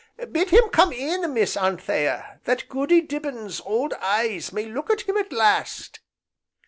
Bid him come in, Miss Anthea, that Goody Dibbin's old eyes may look at him at last."